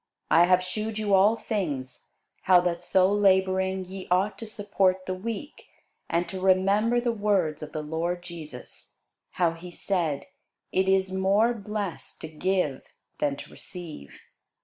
I have shewed you all things, how that so labouring ye ought to support the weak, and to remember the words of the Lord Jesus, how he said, It is more blessed to give than to receive.